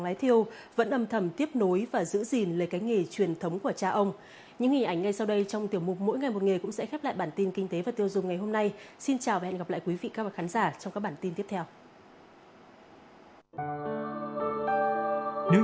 xin chào quý vị và các bạn khán giả trong các bản tin tiếp theo